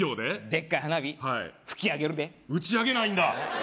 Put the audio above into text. でっかい花火ふき上げるで打ち上げないんだ